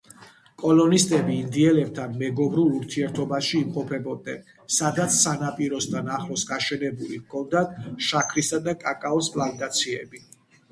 კოლონისტები ინდიელებთან მეგობრულ ურთიერთობაში იმყოფებოდნენ, სადაც სანაპიროსთან ახლოს გაშენებული ჰქონდათ შაქრისა და კაკაოს პლანტაციები.